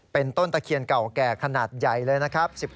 เป็นต้นตะเคียนเก่าแก่ขนาดใหญ่เลยนะครับ